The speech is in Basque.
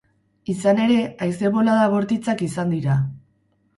Izan ere, haize-bolada bortitzak izan dira.